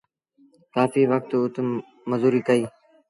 ڪآڦيٚ وکت اُت مزوريٚ ڪئيٚ۔